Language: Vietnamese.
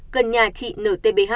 gần nhà chị n t b h